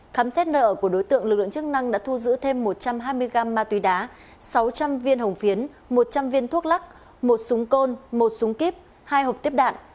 khám xét nợ của đối tượng lực lượng chức năng đã thu giữ thêm một trăm hai mươi gram ma túy đá sáu trăm linh viên hồng phiến một trăm linh viên thuốc lắc một súng côn một súng kíp hai hộp tiếp đạn